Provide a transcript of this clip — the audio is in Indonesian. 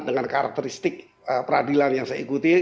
dengan karakteristik peradilan yang saya ikuti